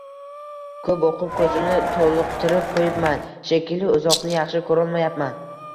Ko`p o`qib, ko`zimni toliqtirib qo`yibman shekilli, uzoqni yaxshi ko`rolmayapman